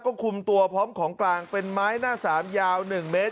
ก็คุมตัวพร้อมของกลางเป็นไม้หน้าสามยาว๑เมตร